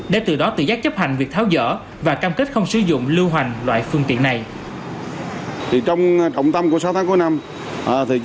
để từ đó tự giác chấp hành việc tháo dở và cam kết không sử dụng lưu hoành loại phương tiện này